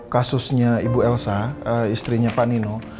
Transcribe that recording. kasusnya ibu elsa istrinya pak nino